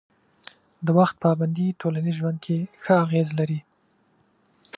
د وخت پابندي ټولنیز ژوند کې ښه اغېز لري.